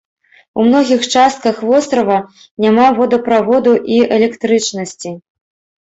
У многіх частках вострава няма водаправодаў і электрычнасці.